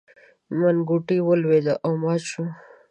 منګوټی ولوېد او مات شو.